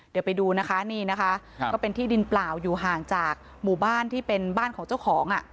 เดี๋ยวไปดูนะคะนี่นะคะก็เป็นที่ดินเปล่าอยู่ห่างจากหมู่บ้านที่เป็นบ้านของเจ้าของอ่ะ